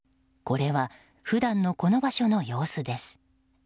これは、普段のこの場所の様子です。